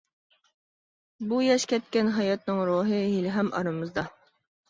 بۇ ياش كەتكەن ھاياتنىڭ روھى ھېلىھەم ئارىمىزدا.